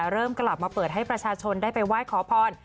เริ่มกลับมาเปิดให้ประชาชนได้ไปไหว้ขอพร